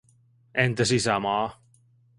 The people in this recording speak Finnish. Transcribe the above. Entä sisämaa?